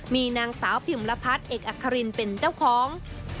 มีนางสาวพิมรพัฒน์เอกอัครินเป็นเจ้าของ